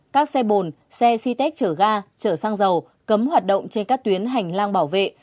các xe bồn xe c tech chở ga chở xăng dầu cấm hoạt động trên các tuyến hành lang bảo vệ